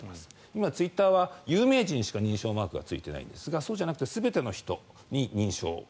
今、ツイッターは有名人しか認証マークがついていないのですがそうじゃなくて全ての人に認証。